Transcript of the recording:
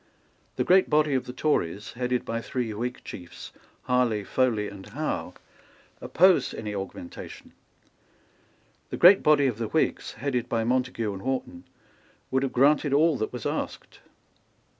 The great body of the Tories, headed by three Whig chiefs, Harley, Foley and Howe, opposed any augmentation. The great body of the Whigs, headed by Montague and Wharton, would have granted all that was asked.